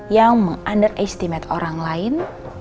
yang meng underestimate orang lain